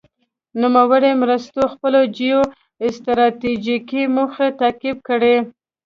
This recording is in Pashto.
نوموړو مرستو خپل جیو ستراتیجیکې موخې تعقیب کړې.